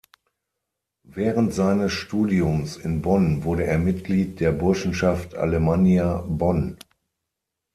Während seines Studiums in Bonn wurde er Mitglied der Burschenschaft Alemannia Bonn.